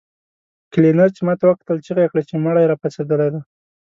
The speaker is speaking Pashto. کلينر چې ماته وکتل چيغه يې کړه چې مړی راپاڅېدلی دی.